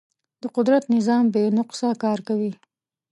د قدرت نظام بې نقصه کار کوي.